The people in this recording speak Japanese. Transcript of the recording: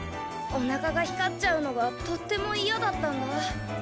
おなかが光っちゃうのがとってもいやだったんだ。